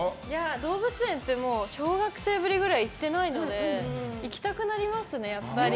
動物園って、小学生ぶりくらい行ってないので行きたくなりますね、やっぱり。